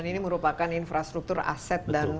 dan ini merupakan infrastruktur aset dan